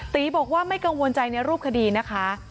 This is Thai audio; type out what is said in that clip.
ตีบอกว่าไม่กังวลใจในรูปคดีนะคะ